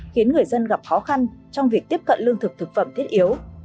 khiến người dân gặp khó khăn trong việc tiếp cận lương thực thực phẩm thiết yếu